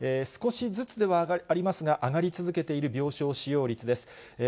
少しずつではありますが、上がり続けている病床使用率です。